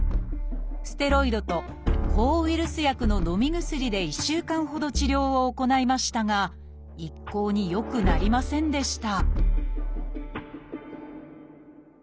ステロイドと抗ウイルス薬ののみ薬で１週間ほど治療を行いましたが一向に良くなりませんでした